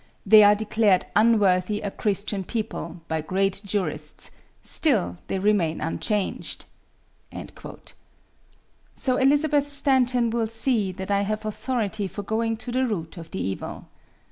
They are declared unworthy a Christian people by great jurists; still they remain unchanged.' "So Elizabeth Stanton will see that I have authority for going to the root of the evil.